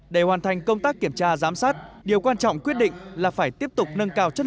để hoàn thành công tác kiểm tra giám sát điều quan trọng quyết định là phải tiếp tục nâng cao chất